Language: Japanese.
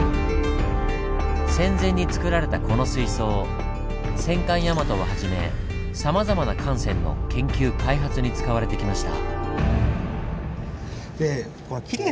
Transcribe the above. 戦前につくられたこの水槽戦艦大和をはじめさまざまな艦船の研究開発に使われてきました。